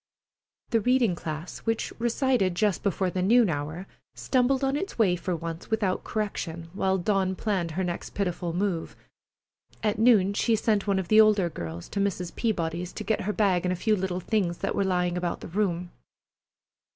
The reading class which recited just before the noon hour stumbled on its way for once without correction, while Dawn planned her next pitiful move. At noon she sent one of the older girls to Mrs. Peabody's, to get her bag and a few little things that were lying about the room.